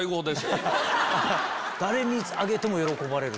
誰にあげても喜ばれる。